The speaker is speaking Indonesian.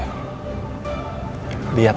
saya gak peduli tante